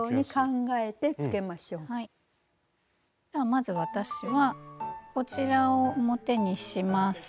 まず私はこちらを表にします。